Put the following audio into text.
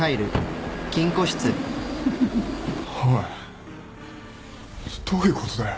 おいどういうことだよ？